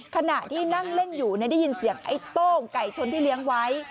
ขณะที่นั่งเล่นอยู่ได้ยินเสียงไอ้โต้งไก่ชนที่เลี้ยงไว้